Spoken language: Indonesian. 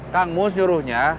kang mus nyuruhnya